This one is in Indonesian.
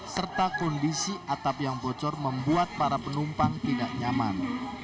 serta kondisi atap yang bocor membuat para penumpang tidak nyaman